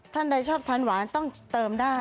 ท่านใดชอบทานหวานต้องเติมได้